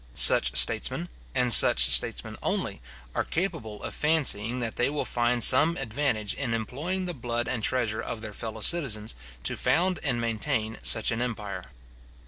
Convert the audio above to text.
Such statesmen, and such statesmen only, are capable of fancying that they will find some advantage in employing the blood and treasure of their fellow citizens, to found and maintain such an empire.